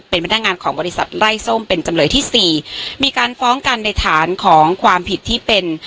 เป็นพนักงานของบริษัทไล่ส้มเป็นจำเลยที่สี่มีการฟ้องกันในฐานของความผิดที่เป็น